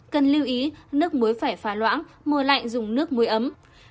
cần lưu ý nước muối phải pha loãng mùa lạnh dùng nước muối ấm